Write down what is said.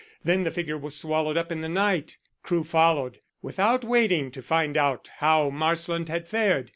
Then the figure was swallowed up in the night. Crewe followed, without waiting to find out how Marsland had fared.